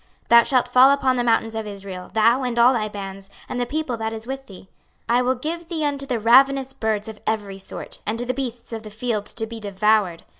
26:039:004 Thou shalt fall upon the mountains of Israel, thou, and all thy bands, and the people that is with thee: I will give thee unto the ravenous birds of every sort, and to the beasts of the field to be devoured.